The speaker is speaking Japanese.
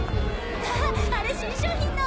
あっあれ新商品の！